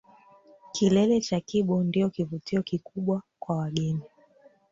Kilele cha Kibo ndio kivutio kikubwa kwa wageni